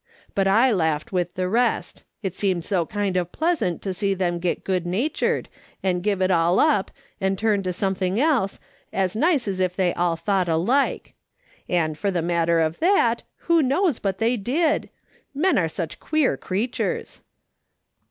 But I laughed with the rest ; it seemed so kind of pleasant to see them get good natured, and give it all up and turn to something else, as nice as if they all thought alike ; and for the matter of that, who knows but they did ? Men are such queer creatures.